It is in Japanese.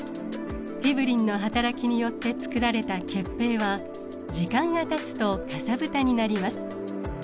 フィブリンのはたらきによってつくられた血ぺいは時間がたつとかさぶたになります。